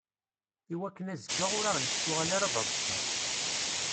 Iwakken azekka ur aɣ-yettuɣal ara d aẓekka.